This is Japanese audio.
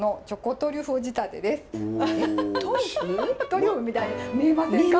トリュフみたいに見えませんか？